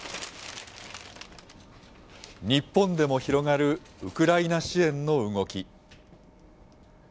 日本でも広がるウクライナ支援の動き。